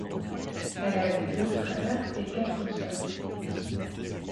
Elle avait deux frères et quatre sœurs.